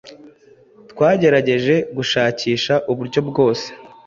twagerageje gushakisha uburyo bwose